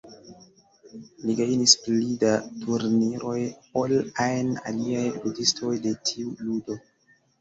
Li gajnis pli da turniroj ol ajn aliaj ludistoj de tiu ludo.